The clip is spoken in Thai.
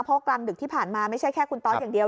เพราะกลางดึกที่ผ่านมาไม่ใช่แค่คุณตอสอย่างเดียว